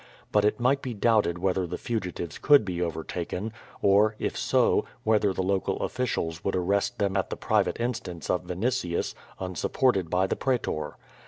But it might be doubted whether the fugitives could be overtaken, or, if so, whether the local officials would arrest them at the private instance of Vinitius, unsupported by the Pretor.